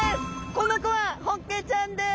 この子はホッケちゃんです！